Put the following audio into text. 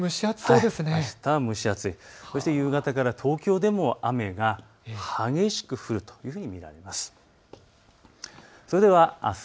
あしたは蒸し暑い、そして夕方から東京でも雨が激しく降るというふうに見られます。